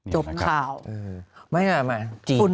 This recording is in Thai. จบข่าว